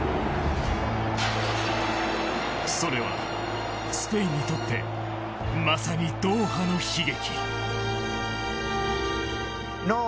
それはスペインにとってまさにドーハの悲劇。